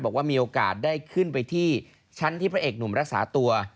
บอกว่ามีโอกาสได้ขึ้นไปที่ชั้นที่พระเอกหนุ่มรักษาตัว